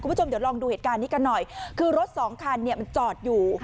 คุณผู้ชมเดี๋ยวลองดูเหตุการณ์นี้กันหน่อยคือรถสองคันเนี่ยมันจอดอยู่